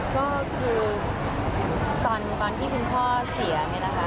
ก็คือตอนก่อนที่คุณพ่อเสีย